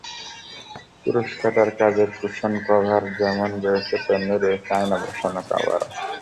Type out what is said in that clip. কুরুশকাঁটার কাজের cushion cover যেমন রয়েছে, তেমনি রয়েছে আয়না বসানো কভারও।